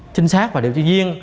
chính xác và điều tra viên